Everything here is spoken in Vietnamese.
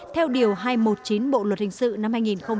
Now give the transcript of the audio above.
theo điều hai trăm một mươi chín bộ luật hình sự năm hai nghìn một mươi năm